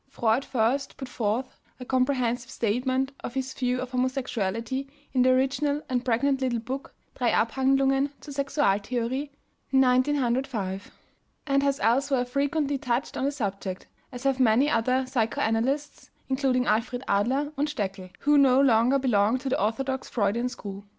Freud first put forth a comprehensive statement of his view of homosexuality in the original and pregnant little book, Drei Abhandlungen zur Sexualtheorie (1905), and has elsewhere frequently touched on the subject, as have many other psychoanalysts, including Alfred Adler and Stekel, who no longer belong to the orthodox Freudian school.